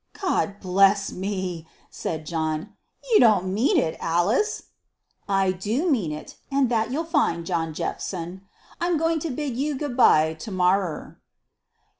"God bless me!" said John. "You don't mean it, Alice?" "I do mean it, and that you'll find, John Jephson. I'm goin' to bid you good bye to morrer."